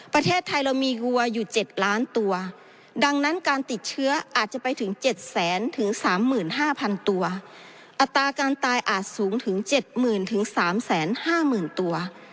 ประเทศไทยเรามีวัวอยู่๗ล้านตัวดังนั้นการติดเชื้ออาจจะไปถึง๗๐๐๓๕๐๐๐ตัวอัตราการตายอาจสูงถึง๗๐๐๐๓๕๐๐๐ตัว